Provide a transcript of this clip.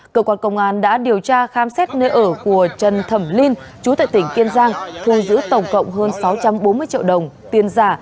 cơ quan công an đã điều tra khám xét nơi ở của trần thẩm linh chú tại tỉnh kiên giang thu giữ tổng cộng hơn sáu trăm bốn mươi triệu đồng tiền giả